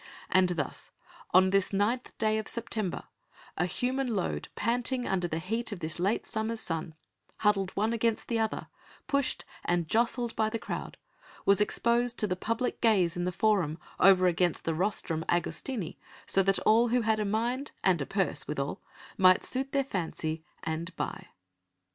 And thus, on this ninth day of September, a human load panting under the heat of this late summer's sun, huddled one against the other, pushed and jostled by the crowd, was exposed to the public gaze in the Forum over against the rostrum Augustini, so that all who had a mind, and a purse withal, might suit their fancy and buy.